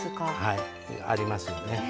はいありますよね。